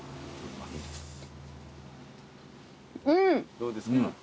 どうですか？